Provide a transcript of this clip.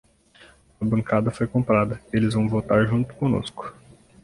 A bancada foi comprada, eles vão votar junto conosco